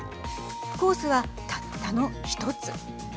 コースは、たったの１つ。